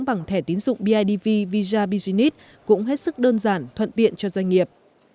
bằng thẻ tín dụng bidv visa business cũng hết sức đơn giản thuận tiện cho doanh nghiệp